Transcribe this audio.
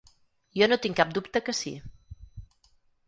Jo no tinc cap dubte que sí.